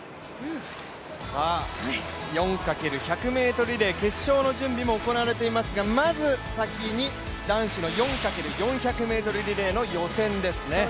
４×１００ｍリレー決勝の準備も行われていますが、まず先に男子の４×４００ｍリレーの予選ですね。